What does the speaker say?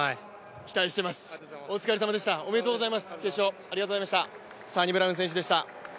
期待してます、お疲れさまでした、おめでとうございます。